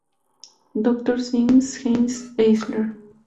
Doctor Sings Hanns Eisler".